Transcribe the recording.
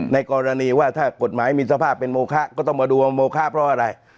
ในกรณีว่าถ้ากฎหมายมีสภาพเป็นโมคะก็ต้องมาดูว่าโมคะเพราะอะไร